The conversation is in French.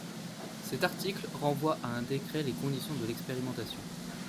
Cet article renvoie à un décret les conditions de l’expérimentation.